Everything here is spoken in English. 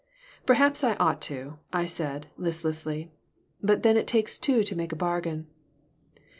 "Perhaps I ought to," I said, listlessly. "But then it takes two to make a bargain."